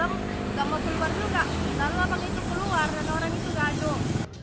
gak mau keluar juga lalu lantaran itu keluar dan orang itu gaduh